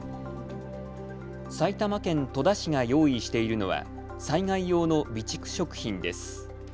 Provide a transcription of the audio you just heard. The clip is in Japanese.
埼玉県戸田市が用意しているのは災害用の備蓄食品です。